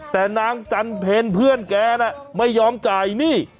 แต่นางจันเพลเพื่อนแกน่ะไม่ยอมจ่ายหนี้